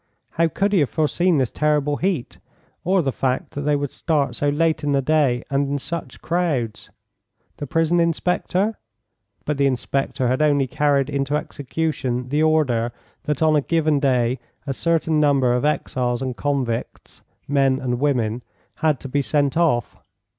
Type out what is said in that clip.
How could he have foreseen this terrible heat, or the fact that they would start so late in the day and in such crowds? The prison inspector? But the inspector had only carried into execution the order that on a given day a certain number of exiles and convicts men and women had to be sent off.